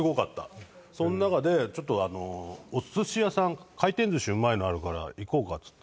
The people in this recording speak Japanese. その中で、ちょっとおすし屋さん回転ずし、うまいのあるから行こうかっつって。